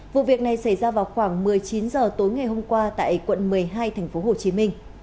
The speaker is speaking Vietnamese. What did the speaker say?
vụ việc này xảy ra vào khoảng một mươi chín h tối ngày hôm qua tại quận một mươi hai tp hcm